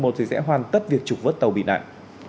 thì sẽ hoàn tất việc trục vất tàu bị nạn